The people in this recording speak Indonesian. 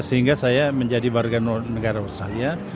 sehingga saya menjadi warga negara australia